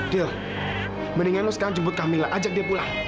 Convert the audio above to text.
dio mendingan lo sekarang jemput kamila ajak dia pulang